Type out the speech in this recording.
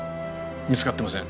見つかってません。